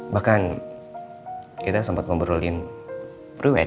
bahkan kita sempat ngobrolin ruwet